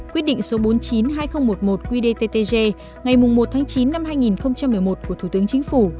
quyết định số bốn trăm chín mươi hai nghìn một mươi một quy đề ttg ngày một tháng chín năm hai nghìn một mươi một của thủ tướng chính phủ